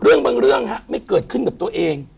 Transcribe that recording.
บางเรื่องไม่เกิดขึ้นกับตัวเอง